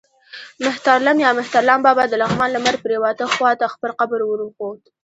مهترلمک یا مهترلام بابا د لغمان لمر پرېواته خوا ته خپل قبر ور وښود.